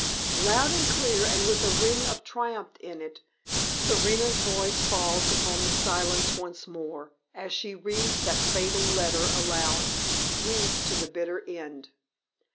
Loud and clear, and with a ring of triumph in it, Serena's voice falls upon the silence once more as she reads that fatal letter aloud reads to the bitter end.